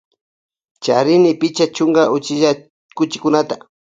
Charini pichka chunka uchilla chuchikunata.